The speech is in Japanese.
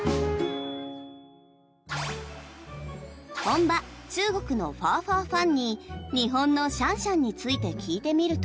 本場、中国のファーファーファンに日本のシャンシャンについて聞いてみると。